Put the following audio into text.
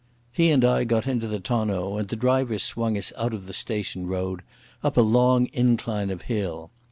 He and I got into the tonneau, and the driver swung us out of the station road up a long incline of hill.